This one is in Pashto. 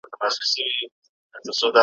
تور ببر- ببر برېتونه `